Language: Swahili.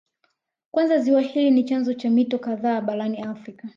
Kwanza ziwa hili ni chanzo cha mito kadhaa barani Afrika